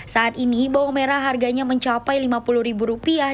saat ini bawang merah harganya mencapai lima puluh ribu rupiah